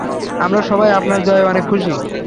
আমরা সবাই আপনার জয়ে অনেক খুশি।